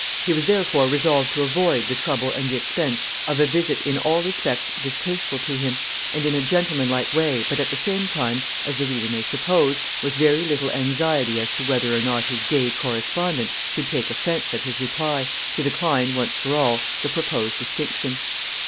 He was therefore resolved to avoid the trouble and the expense of a visit in all respects distasteful to him, and in a gentlemanlike way, but, at the same time, as the reader may suppose, with very little anxiety as to whether or not his gay correspondent should take offence at his reply, to decline, once for all, the proposed distinction.